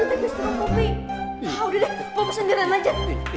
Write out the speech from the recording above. udah deh poppy sendirian aja